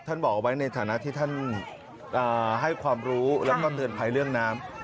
ท่านบอกเอาไว้ในฐานะที่ท่านให้ความรู้แล้วก่อนเถิดไพร่เรื่องน้ำ